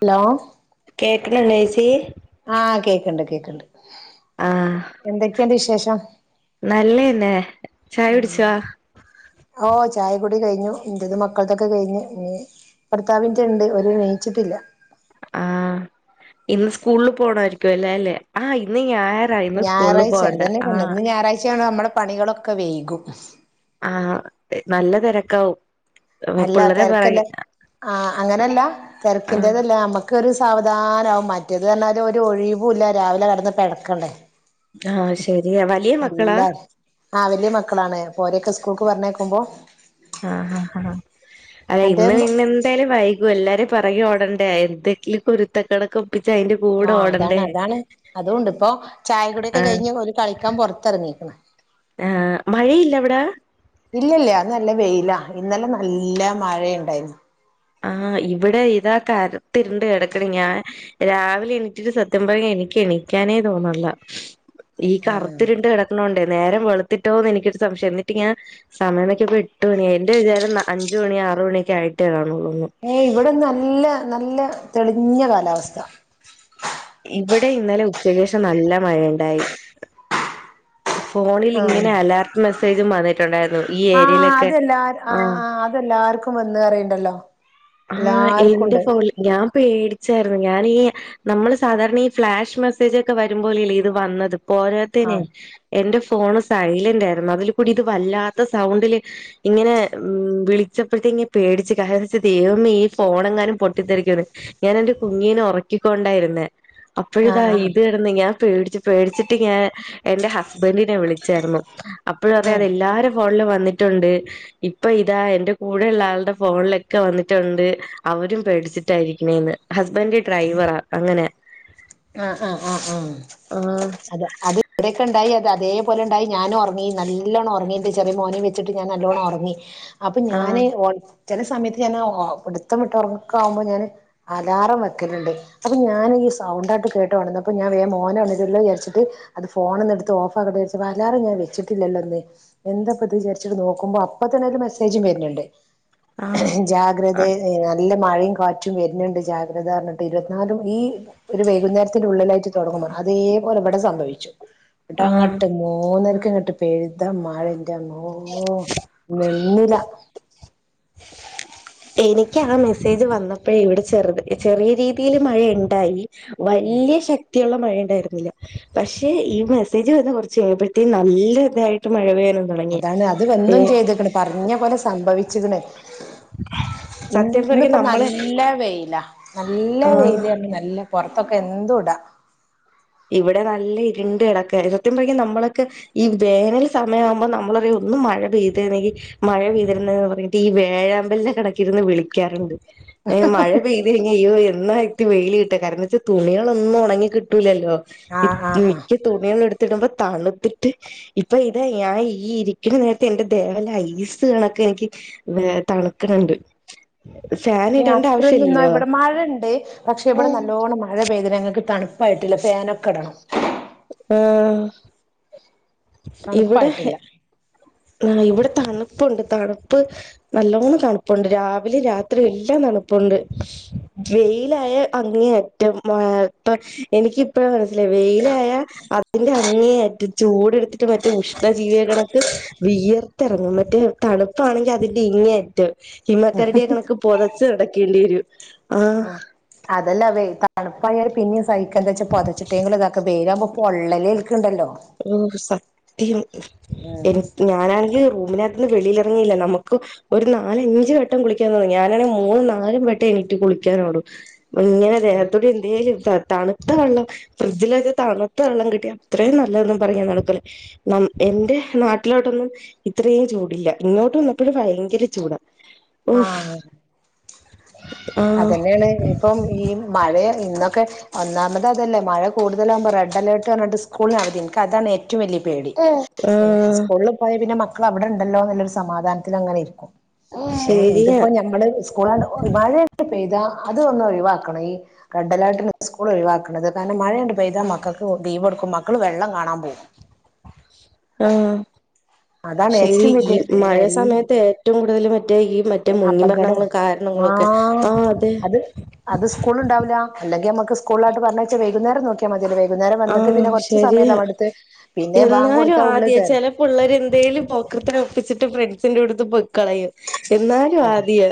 Hello വീട്ടിലാണോ ചേച്ചി? ആഹ് കേക്കണ്ട് കേക്കണ്ട് എന്തൊക്കെണ്ട് വിശേഷം? നല്ലയെന്നെ ചായ ഉം കുടിച്ചോ? ടി കയിഞ്ഞു ന്റെതും മക്കൾതൊക്കെ കയിഞ്ഞു ഇനി ഭർത്താവിന്റെണ്ട് ഓര് നീച്ചിട്ടില്ല ആഹ് ഇന്ന് സ്കൂളില് പോണായിരിക്കുവല്ലോ അല്ലെ ആഹ് ഇന്ന് ഞാ ഞായറാഴ്ച, അതന്നെ പറഞ്ഞെ ഇന്ന് ഞാറായ്ച്ച ആയോണ്ട് നമ്മളെ പണികളൊക്കെ വെയ്കും ആഹ് നല്ല തെരക്കാവും അല്ല തെരക്കല്ല ആഹ് അങ്ങനല്ല ആഹ് തെരക്കിൻ്റതല്ല അമ്മക്ക് ഒരു സാവധാനാവും മറ്റേത് പറഞ്ഞാ ഒരു ഒഴിവുല്ല രാവിലെ കെടന്ന് പെടക്കണ്ടേ ആഹ് ശരിയാ വലിയ മക്കളാ എല്ലാടെ ആഹ് വെല്യ മക്ക് ക്കളാണ് അപ്പ ഓരെയെക്കെ സ്കൂൾക്ക് പറഞ്ഞയക്കുമ്പോ ആഹ് ആഹ് അതെ ഇന്ന് അന്റെ പിന്നെ എന്തായാലും വൈകു എല്ലാരും പെറകി ഓടണ്ടേ എന്തെങ്കിലും കുരുത്തകേടൊക്കൊപ്പി ആഹ് അതാണ് അതാണ് അതുണ്ട് പ്പൊ ചായ കുടിക്കെ ആഹ് കഴിഞ്ഞ് ഒരു കളിക്കാൻ പൊറത്തെറങ്ങി ക്ക [inaudible] ആ മഴയില്ല അവിട ഇല്ല്യല്ല്യ ഇന്ന് നല്ല വെയില ഇന്നലെ നല്ല മഴെണ്ടായിരുന്നു ആഹ് ഇവിടെ ഇതാ കറത്തിരിണ്ട് യെടക്കണ ഞാൻ രാവിലെ എണീറ്റിട്ട് സത്യം പറഞ്ഞ എ എനിക്ക് എണിക്കാനേ തോന്നല്ല ഈ ആഹ് കറുത്തിരുണ്ട് കെടക്കണോണ്ടെ നേരം വെളുത്തിട്ടോന്ന് എനിക്കൊരു സംശയം എന്നിട്ട് ഞാ സമയം നോക്കിയപ്പോ എട്ട് മണിയായി എന്റെ വിചാരം. ന്ന. അഞ്ചു. മണിയ. ആറുണിയൊക്കേ ആയിട്ടേ കാണുള്ളൂ ഏയ് ഇവിടന്ന് നല്ല നല്ല തെളിഞ്ഞ കാലാവസ്ഥ ഇവിടെ ഇന്നലെ ഉച്ചക്കേഷം നല്ല മഴയ ഇണ്ടായി ഫോണിൽ ആഹ് ഇങ്ങനെ അലർട്ട് മെസ്സേജും വന്നി ആഹ് അതെല്ലാർ ആഹ് ആഹ് അതെല്ലാർക്കു വന്ന് അറിയുണ്ടല്ലോ ആഹ് എന്റെ ഫോള് ഞാം പേടിച്ചാരുന്നുംഞാനീ നമ്മള് സാധാരണ ഈ ഫ്ലാഷ് മെസ്സേജ് ഒക്കെ വരുമ്പോലെയല്ലേ ഇത് വന്നത് പോരാത്തേനെ ആഹ് എന്റെ ഫ് ഫോണ് സൈലന്റരുന്നു അതിൽ കൂടി ഇത് വല്ലാത്ത സൗണ്ടില് ഇങ്ങനെ മ് വിളിച്ചപ്പോഴത്തേ ങ്ങേ പേടിച്ച് [unintelligible] ദൈവമേ ഈ ഫോണെങ്ങാനും പൊട്ടിത്തെറികൊന്ന് ഞാൻ എന്റെ കുഞ്ഞീനെ ഉറക്കിക്കൊണ്ടായിരുന്നേ അപ്പോഴിതാ ആഹ് ആഹ് ഇത്ടന്ന് ഞാൻ പേടിച്ചു പേടിച്ചിട്ട് ഞാൻ എന്റെ ഹസ്ബൻ്റിനെ വിളിച്ചാരുന്നു അപ്പോഴു അതെ ആഹ് എല്ലാരും ഫോൺലും വ ന്നിട്ടുണ്ട്. ഇപ്പൊ. ഇതാ എന്റെ കൂടെയുള്ള. ആൾടെ. ഫോണിൽ ക്കെ. വന്നിട്ടുണ്ട്. അവരും പേടിച്ചിട്ടായിരിക്കണേന്ന്. ഹസ്ബൻഡ് ഡ്രൈവറാ അങ്ങനെ ആ, ആ, ആ, ആം., ആഹ് അത്. അത്. വിടൊക്കെണ്ടായി. അത് അതേപോലെണ്ടായി ഞാനും ഉറങ്ങി നല്ലോണ്ണം ഉറങ്ങി എന്റെ ചെറിയ മോന വച്ചി് ഞാൻ നല്ലോണം ഉറങ്ങി അപ്പൊ ആഹ് ഞാാന് ചില സമയത്ത് ഞാൻ പിടുത്തം വിിട്ട് ഉറങ്ങക്ക ആകുമ്പോൾ ഞാൻ അലാറം വെക്കലുണ്ട് അപ്പൊ ഞാൻ സൗണ്ട് കേട്ടോ അപ്പ ഞാ വോനണല്ലോ രിച്ചി് അത് ഫോണന്ന് എടുത്ത് ഓഫ ആട്ടെ വല്ലരും ഞാ വെച്ചിട്ടില്ല എന്തപ്പ ഇത് വിചാരിച്ചിട്ട് നോക്കുമ്പോ അപ്പ തന്നെ ഒരു മെസ്സേജും വരുന്നുണ്ട് ആഹ് ജാഗ്രത ആഹ് ന നല്ല മഴയും കാറ്റും വരുന്നുണ്ട്തി ഇരുപത്തിനും ഈ ഇുന്നേരത്തി ഉുള്ളിലായിട്ട് തുടങ്ങുമ്പ അതേപോലെ ഇവിടെ സംഭവിച്ചു ആഹ് അങ്ങട്ട് മൂന്നര ങ്ങട്ട് പെഴുത മാഴിന്റെ നോ നന്നില [inaudible] എനിക്ക് ആ മെസ്സേജ് വന്നപ്പോ ഇവിടെ ചെറുത് ചെറിയ രീതിയിൽ മഴയ ഉണ്ടായി വലിയ ശക്തി മഴ ഉണ്ടായിരുന്നില്ല പക്ഷെ ഈ മെസേജ് വന്ന കുറച്ച് കഴിയുമ്പഴത്തേും നല്ലതായിട്ട് മഴ തുടങ്ങി അതാണ് അത് വന്നും ഏഹ് ചെയ്തക്കണ് പറഞ്ഞ പോലെ സംഭവിച്ചിക്കണേ സത്യം പറഞ്ഞ ഇന്നിപ്പ നമ്മളെ നല്ല വെയിലാ നല്ല ആഹ് വെയില് നല്ല പുറത്തൊക്കെ എന്തതു ഇടാ ഇവിടെ നല്ല ഇരുണ്ട് ഇടക്ക സത്യം പറഞ്ഞ നമ്മളൊക്കെ ഈ വേനൽ സമയം ആവുമ്പോൾ നമ്മളറിയ ഒന്ന് മഴ പെയ്തരുന്നെങ്കിൽ മഴ പെയ്തിരുന്നന്ന് പറഞ്ഞിട്ട് ഈ വേഴാമ്പലിന്റെ കണക്കിരുന്ന് വിളിക്കാറുണ്ട് ഏ മഴ പെയ്ത് നന്നായിട്ട വെയില കിട്ട കാരണം എ വച്ചാ തുണികളൊന്നും ഉങ്ങിട്ടൂല്ലോ ആഹ് ആഹ് ആഹ് മിക്ക തുണികള എടു ത്തിടുമ്പോ തണുത്തിട്ട് ഇപ്പൊ ഇതാ ഞാൻ ഈ ഇരിക്കുന്ന നേരത്തെ എന്റെ ദേവല ഐസ് കണക്ക എനിക്ക് തണക്കണണ്ട് അത്ര നിന്നാ ഇവിടെ മഴ ഉണ്ട് പക്ഷെ ഇവിടെ നല്ലോണ്ണം മഴ പെയ്ത ങ്ങൾക്ക് തണുപ്പായിട്ടില്ല ഫനക്കെടണം ആഹ തണുപ്പായിട്ടില്ല ആ ഇവിടെ തണുപ്പുണ്ട് തണുപ്പ് നല്ലോണം തണുപ്പുണ്ട് രാവിലെയും രാത്രിയും എല്ലാം തണുപ്പ ണ്ട് വെയിലായ അങ്ങനെ ഏറ്റപ്പ എനിക്ക് ഇപ്പഴ ല്ലെ വെയിലായ അതിന്റെ അങ്ങയായിട്ട് ചൂട്ടുത്തിട്ട് മറ്റ ഉഷ്ണ ജീവിക കണക്ക് വിയർത്തിറങ്ങും മറ്റേ തണുപ്പാണെങ്കിൽ അതിന്റെ ഇങ്ങയറ്റ്് ഹിമക്കരടിയ കണക്ക് പൊതച്ച നടക്കേണ്ടി വരും ആഹ് ആ അതല്ല വേ തണുപ്പായാല് പിന്നെയും സഹിക്ക എന്താ വെച്ചാ പൊതച്ചിട്ടെങ്കും ഇതൊക്കെ വേരാൻ പൊള്ളലേൽക്കണ്ടല്ലോ ഓഹ് സത്യം ഉം എനി ഞാനാണെങ്കിൽ അതിനകത്ത്ുന്ന് വെളിയിലിറങ്ങിയില്ല നമുക്ക് ഒരു നാലഞ്ചച് വട്ടം കുളിക്കാ ഞാനാണെങ്ക മൂന്നന്ന് നാലും വട്ടം എനി കുളിക്കാനോട ഇങ്ങനെ അദേഹത്തോട് എന്ത ചെയ തണുത്ത വെള്ളം ഫ്രിഡ്ജിൽ വെച്ച് തണുത്ത വെള്ളം കിട്ടിയ അത്രയും പറ നടക്കല്ല എന്റെ നാട്ടിലോട്ടൊന്നും ഇത്രയും ചൂടില്ല ഇങ്ങോട്ട് വന്ന ഭയങ്കര ചൂടാണ് ആ ആഹ് അതന്നെയാണ് ഇപ്പം ഈ മഴയ ഇന്നൊക്കെ ഒന്നാമത് അതല്ലേ മഴ കൂതലാകുമ്പോ റെഡ് അലർട്ട് പറഞ്ഞിട്ട് സ്ൂള നട മത്തി എനിക്ക് അതാണ് ഏറ്റവും വലിയ പേടി ആഹ് സ്കൂളിൽ പോയാ പിന്നെ മ മ അവിടെണ്ടല്ലോ എന്നുള്ളൊരു സമാധാനത്തിൽ അങ്ങനെയിരിക്കും ഏ ശരിയാ ഇതിപ്പോ ഞമ്മള് സ്കൂള ഇഴ പെയ്താ അത ഒന്ന് ഒഴവാക്ക ഈ റെഡ് അലർട്ടി സ്കൂൾ ഒഴിവാക്കുന്നത് കാരണം മഴണ്ട് പെയ്താ മക്കൾക്ക് ദീപെടുക്കും മക്കള് വെള്ളം കാണാൻ പോകും ആഹ് അതാണ് ശരി ഏറ്റവും ഈ വലിയ മഴ എല്ല സമയത്ത് ഏറ്റവും കൂടുതൽ മറ്റേ ഈ മ മറ്റേ മുങ്ങി അപകടം ഭരണങ്ങളും കാരണങ്ങളും ഒക്കെ ആഹ് അതെ അല്ലങ്കിൽ നമക്ക് സ്കൂളിലട്ട് പറഞ്ഞയച്ച വൈകുന്നരം നോക്കിയാൽ മതിയല്ലോ വൈ ആഹ് ശരിയാ പിന്നെ ബാങ്ക് എന്നാലും കൊടുത്താ ഉള്ളിൽ ആദിയാ കയറും ചെലപ്പിള്ളാര് എന്തെലും പോ [unintelligible] ഒപ്പിച്ചിട്ട് പ്ര ത്തിന് അടുത്ത് പൊക്കളയും എന്നാലും അതാ ആദിയാ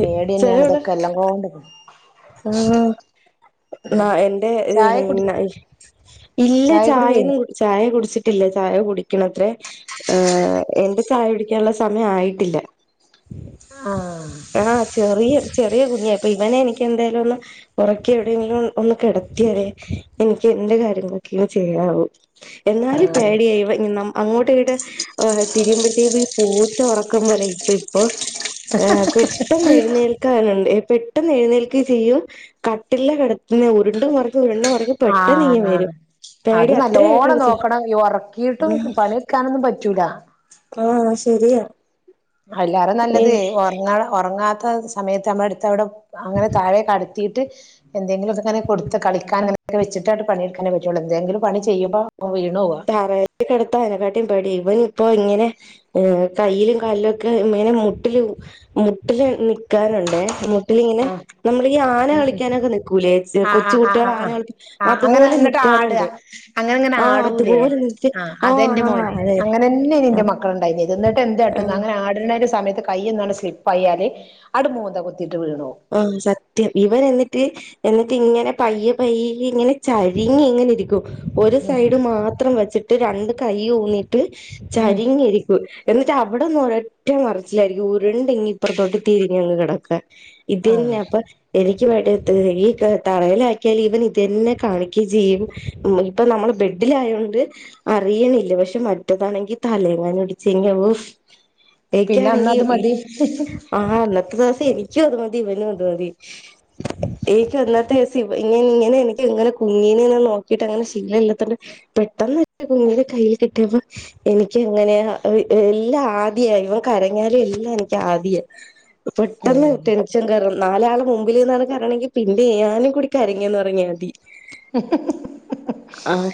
പേടി ന്നെയാണ് ഇതൊക്കെ എല്ലാം കോണ്ടും ആഹ് ആ എന്റെ ചായ കുടി [unintelligible] ഇല്ല ചായ കുടി കഴിഞ്ഞോ ചായെന്നും ചായ ചായ കുടിച്ചിട്ടില്ല ചായ കുടിക്കണത്രേ എന്റെ ചായ കുടിക്കാനുള്ള സമയം ആയിട്ടില്ല. ആഹ് ആഹ് ചെറിയ ചെറിയ കുഞ്ഞാ ഇപ്പൊ ഇവനെനി ന്തായാലും ഒന്ന് ഉറക്കി എവിടെയെങ്കിലും ഒന്ന് കിടത്തിയാല്ലേ എനിക്ക് എന്റെ കാര്യങ്ങളൊക്കെ ചെയ്യാം എന്നാലും പേടിയാ ഇവൻ നമ്മ അങ്ങോട്ടും ഇങ്ങോട്ടും തിരിയുംപ്പതെക്കും ഇ പോ ഉറക്കം പോലെ ഇപ്പ ഇപ്പോ പെട്ടെന്ന് എഴുന്നേൽക്കാനാണ്. പെട്ടെന്ന് എഴുന്നേൽക്കയും ചെയ്യും കട്ടില്ല്ലാ കിടത്ത്ന്നെ ഉരുണ്ടും മാറിഞ് ഉരുണ്ടും മറിഞ് പെ ആന്ന് ആന്ന് അത് നല്ലോണം ആയിട്ടുള്ളൂ നോക്കണം ഈ ഉറക്കിയിട്ടും ആഹ് പണിയെടുക്കാനൊന്നും പറ്റൂല. ആഹ് ശെരിയാ. അയ്ലേറെ നല്ലത് ഉറങ്ങാ ഉറങ്ങാത്ത സമയത്ത് നമ്മടെ അടുത്ത് അവിടെ അങ്ങനെ താഴെക്കെട കെടത്തിയിട്ട് എന്തെങ്കിലുംക്കെങ്ങനെ കൊടുത്ത് കളിക്കാൻ അങ്ങനെവച്ചിട്ട് പണിയെടുക്കാനേ പറ്റുള്ളൂ എന്തെങ്കിലും പണി ചെയുംബോ. തറേ കെടുത്താന് അയ്നക്കാട്ടിയും പേടി ഇവൻ ഇപ്പൊ ഇങ്ങനെ കയ്യിലും കാലിലും ഒക്കെ ഇങ്ങനെ മുട്ടിൽ മുട്ടില് നിക്കാൻ. ണ്ടെ മു.. [unintelligible] മുട്ടിൽങ്ങനെ ആഹ് നമ്മൾ ഈ ആന ഉം ഉം കളിക്കാനൊക്കെ നിക്കൂലേ ആഹ് കൊച്ചുകുട്ടികൾ ആന കളി അതുപോലെ നി... ആട്കാ അങ്ങനെങ്ങനെ ആടും ആ. നിക്ക് ആ അതെന്റെ ആ മോന് അതെ അങ്ങനെ തന്നെയ്ന്ന് എന്റെ മക്കളുണ്ടായിത് എന്നിട്ട് ആ എന്താട്ടുംന്ന അങ്ങന ആടുന്നതിന്റെ സമയത്ത്. കയൊന്നാണ്ട് സ്ലിപ്പ് ആയാല് ആണ്ട് മൂന്ത കുത്തി. ആ സത്യം ഇവർ എന്നിട്ട്. എന്നിട്ട് ഇങ്ങനെ പയ്യ പയ്യ ഇങ്ങനെ ചരിങ്ങി ഇങ്ങനെ ഇരിക്കും. ഒരു ഉം സൈഡ് മാത്രം വെച്ചിട്ട് രണ്ട് കൈ ഊന്നിട്ട് ഉം ചരിങ്ങി ഇരിക്കൂ എന്ന റ്റ അവിടന്ന് ഒരൊറ്റ മറിച്ചിലായിരിക്കും ഉരുണ്ടിങ്ങ് ഇപ്പുറത്തോട്ട് തിരിഞ്ഞങ്ങ് കിടക്കാൻ ഇത് ആഹ് തന്നെയാ അപ്പൊ എനി ക്ക് [unintelligible] ഈ തറയിലാക്കിയാൽ ഇവൻ ഇത് തന്നെ കാണിക്കുകയും ചെയ്യും നമ്മളിപ്പൊ നമ്മൾ ബെ ബെഡിലായോണ്ട് അറിയുണില്ല പക്ഷെ മറ്റതാണെങ്കി തലയെങ്ങാനും ഇടിച്ചെങ്കിൽ ഓ പിന്നെ എനിക്കാണെങ്കി അന്നത് ഇ മതി ആ അന്നത്തെ ദിവസം എനിക്ക് അത് മ തി ഇവനും അത് മതി എനിക്ക് അന്നത്തെ ദിവസം ഇവൻ ഇങ്ങനെ എനിക്കങ്ങനെ കുഞ്ഞിനെയൊന്ന് നോ നോക്കീട്ടങ്ങനെ ശീലം ഇല്ലാത്തോണ്ട് പെട്ടന്ന് എന്റെ കുഞ്ഞിനെ കയ്യിൽ കിട്ടിയപ്പോ എനിക്കങ്ങനെ എല്ലാ ആദിയാ ഇവൻ കരഞ്ഞാലും എല്ലാ എനിക്ക് ആദിയ പെട്ടെന്ന് ഉം ടെൻ ഷൻ കേറും നാലാള് മുമ്പിൽ നിന്നാണ് കരണയെങ്കിൽ പിന്നെ ഞാനും കൂടി കരഞ്ഞെന്ന് പറഞ്ഞാൽ മതി ആഹ്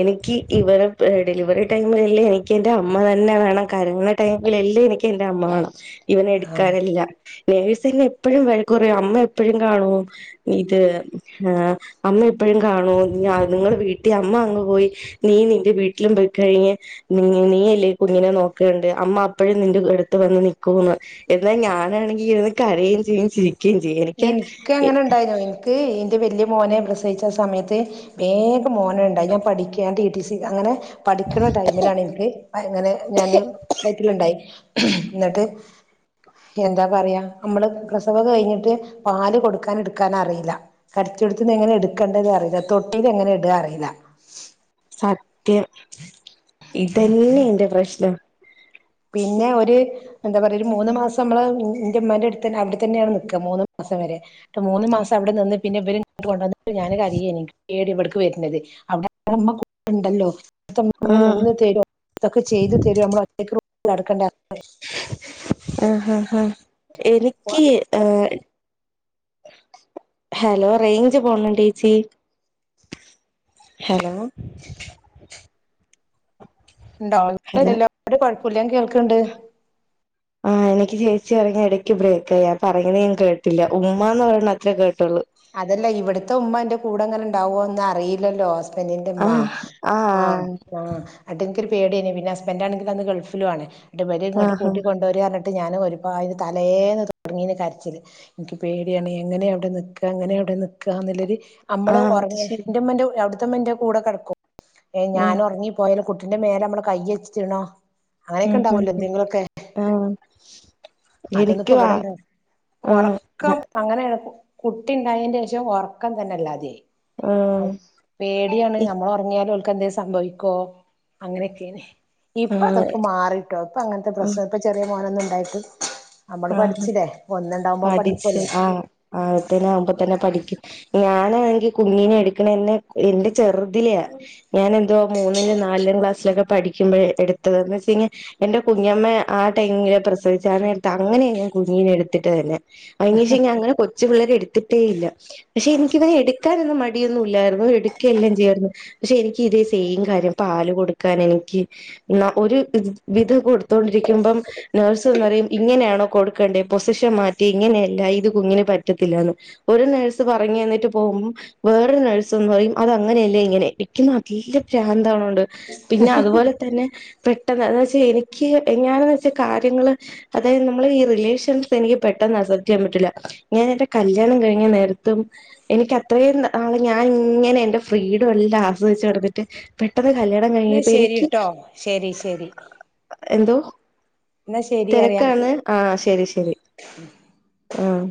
എനിക്ക് ഇവരെ ഡെലിവറി ടൈമിലല്ലേ എനിക്ക് എന്റെ അമ്മ തന്നെ വേണം കരയണ ടൈമിലല്ലേ എനിക്ക് എന്റെ അമ്മ വേണം ഇവനെ ആഹ് എടുക്കാൻ എല്ലാം നഴ്സ് എന്നെ എപ്പഴും വഴക്കുപറയും അമ്മ എപ്പഴും കാണുവോ ഇത് ആ അമ്മ എപ്പഴും കാണുവോ നിങ്ങള് വീട്ടിൽ അമ്മ അങ്ങ് പോയി നീ നിന്റെ വീട്ടിലും പോയിക്കഴിഞ്ഞ് നീയല്ലേ ഈ കുഞ്ഞിനെ നോക്കണ്ടേ അമ്മ അപ്പഴും നിന്റെ അടുത്ത് വന്ന് നിക്കുവോന്ന് എന്നാൽ ഞാനാണെ ണെങ്കിൽ ഇരുന്ന് കരയുവേയും ചെയ്യും ചിരി എനിക്ക് അങ്ങനെ ഉണ്ടായിരുന്നു എനിക്ക് എന്റെ വല്ലി മോനെ പ്രസവിച്ച സമയത്ത് വേഗം മോന് ഉണ്ടായി ഞാൻ പഠിക്കുവാ ഞാൻ ടി ടി സി അങ്ങനെ പഠിക്കണ ടൈമിലാണ് എനിക്ക് അങ്ങനെ ഞാന് വയറ്റിലുണ്ടായി എന്നിട്ട് എന്താ പറയാ നമ്മള് പ്രസവം കഴിഞ്ഞിട്ട് പാല് കൊടുക്കാൻ എടുക്കാൻ അറിയില്ല കിടത്തിയെടുത്ത് നിന്ന് എങ്ങനെ എടുക്കേണ്ടതെന്ന് അറിയില്ല തൊട്ടീല് എങ്ങനെ ഇടുവാന്ന് അറിയില്ല സത്യം ഇതെന്നെ എന്റെ പ്രശ്നം. പിന്നെ ഒരു എന്താ പറയ ഒരു മൂന്ന് മാസം നമ്മള് എന്റെ ഉമ്മാന്റെ അടുത്ത് തന്നെ അവിടെത്തന്നെയാണ് നിക്കുക മൂന്ന് മാ മാസം വരെ ട്ട് മൂന്ന് മാസം അവിടെ നിന്ന് പിന്നെ ഇവര് കൊണ്ടു വന്ന്ട്ട് ഞാന് കരയെയ്ന്. ഏടി ഇവട്ക്ക് വേർന്നത് അവിടെമ്മ കൂടെ [unintelligible] ഇണ്ടല്ലോ? [unintelligible] ആഹ് ചെയ്ത് തെരും നമ്മൾ ഒറ്റക്ക് നടക്കണ്ടേ ആഹ് ഹാ ഹാ എനിക്കി ആ ഹലോ റേയ്ഞ്ച് പോവ്ണ്ടോച്ചി? ഹലോ. ണ്ടോ ഹലോ [unintelligible] ഒരു കുഴപ്പോല്ല കേൾക്ക്ണ്ട്. ആ എനിക്ക് ചേച്ചി പറഞ്ഞ ഇടയ്ക്ക് ബ്രേക്ക് ആയി ഞാൻ പറഞ്ഞത് ഞാൻ കേട്ടില്ല ഉമ്മാന്ന് [unintelligible] അത്ര കേട്ട അതെല്ല ഇവുട്ത്തെ ഉമ്മ ഇന്റെ കൂടെ ഇങ്ങനെ ഉണ്ടാവോന്ന് അറിയില്ലല്ലോ ഹസ് [unintelligible] മ്മാ ആഹ് ആ ആഹ് ആ [unintelligible] പേടി അയ്നിം പിന്നെ ഹസ്ബന്റാണെങ്കിൽ അന്ന് ഗൾഫിലും ആണ് ന്നട്ട് ഇവര് ഇങ്ങട്ട് ആഹ് കൊണ്ടുവെരാന്ന് ട്ട് ഞാനും ഒരുപാട് [unintelligible] തലേന്ന് തുടങ്ങീനിം കരച്ചില് ഇൻക്ക് പേടിയാണ് എങ്ങനെയ അവിടെ നിൽ എങ്ങനെ അവിടെ നിക്കാന്നുള്ളരു നമ്മള് ആഹ് അത് ഉറങ്ങ്യാ ശരി ന്റെമ്മ അവിടുത്തെ മ്മന്റെ കൂടെ കെടക്കും. ഏയ് ഉം ഞാൻ ഉറങ്ങിപ്പോയാല് കുട്ടിന്റെ മേലമ്മള് കയ്യെച്ചിണോ? അങ്ങനെയൊക്കെ ഉം ഉം ഇണ്ടാവൂലോ എന്തെങ്കിലൊക്കെ. ആഹ് അതൊന്നിപ്പോ എനിക്ക് വാ ഇവിടെണ്ട [unintelligible] ആഹ് ഉറക്കം അങ്ങനെ കുട്ടി ഇണ്ടായീന്റെഷം ഉറക്കം തന്നെ അല്ലാതെയി. ആഹ് പേടിയാണ് അമ്മൾ ഉറങ്ങിയാലും ഓൽ ക്കെന്തെങ്കിലും സംഭവിക്കോ അങ്ങനെയൊക്കെണ്. ഇപ്പൊ ആഹ് അതൊക്കെ മാറിട്ടോ ഇപ്പൊ അങ്ങനത്തെ പ്രശ്നം ഇപ്പ ചെറിയ മോനൊന്നും ഉണ്ടായിട്ട്. നമ്മള് ആ പഠിച്ചില്ലേ ഒന്നുണ്ടാവുമ്പോ പഠിച്ചു പഠിക്കുവല്ലോ ആ ആതിനകുമ്പോ തന്നെ പഠിക്കും. ഞാനാണെങ്കിൽ കുഞ്ഞിനെ എടുക്കണെന്നെ എന്റെ ചെറുതിലാ ഞാൻ എന്തോ മൂന്നില് നാലാം ക്ലാസ്സിലൊക്കെ പഠിക്കുമ്പോ എടുത്തതാ ന്ന് വെച്ചയ്ഞ്ഞാ എന്റെ കുഞ്ഞമ്മ ആ ടൈമില് പ്രസവിച്ചാ അങ്ങനെ ഞാൻ കുഞ്ഞിനെ എടുത്തിട്ട് തന്നെ. അയന് ഷം ഞാ അങ്ങനെ കൊച്ചു പിള്ളേരെ എടുത്തിട്ടേ ഇല്ല പക്ഷെ എനിക്കിവനെ എടുക്കാനൊന്നും മടി ടി ഒന്നും ഇല്ലായിരുന്നു എടുക്കെല്ലാം ചെയ്യരുന്നു പക്ഷെ എനിക്ക് ഇതേ സെയിം കാര്യം പാൽ കൊടുക്കാൻ എനിക്ക് ന്ന ഒരു വിധം കൊടുത്തോണ്ടിരിക്കുമ്പം നേഴ്സ് വന്ന് പറയും. ഇങ്ങനെയാണോ കൊടുക്കേണ്ടേ പൊസിഷൻ മാറ്റി ഇങ്ങനെയല്ല ഇത് കുഞ്ഞിന് പറ്റത്തില്ലന്ന് ഒരു നേഴ്സ് പറയ് ഞ് തന്നിട്ട് പോകും വേറെ നെയ്‌സ് വന്ന്‌ പറയും അത് അങ്ങനെയല്ല ഇങ്ങനെ ഇക്ക് നല്ല ഭ്രാന്താവ്ണുണ്ട്. പിന്നെ അതുപോലെ തന്നെ പെട്ടെന്ന് എന്ന് വെച്ചാ എനിക്ക് ഞാൻ വെച്ചാ കാര്യങ്ങള്. അതായത് നമ്മൾ ഈ റിലേഷൻസ് എനിക്ക് പെട്ടെന്ന് അസെപ്റ്റ് ചെയ്യാൻ പറ്റില്ല ഞാൻ എന്റെ കല്യാണം കഴിഞ്ഞ നേരത്തും എനിക്ക് അത്രയും നാള് ഞാൻ ഇങ്ങനെ എന്റെ ഫ്രീഡം എല്ലാം ആസ്വദിച്ച് നടന്നിട്ട് പെട്ട ന്ന് കല്യാണം എന്നാ കഴിഞ്ഞപ്പോ എനിക്ക് ശരിട്ടോ ശരി ശരി എന്തോ? എന്നാ ശരി അറിയാം തെരക്കാണ് ആ ശെരി ശെരി. ആഹ്